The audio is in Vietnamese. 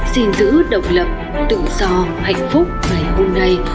xin giữ độc lập tự do hạnh phúc ngày hôm nay